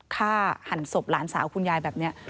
ฆ่าหันศพหลานสาวคุณยายแบบนี้